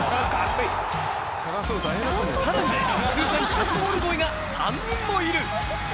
更に通算１００ゴール超えが３人もいる。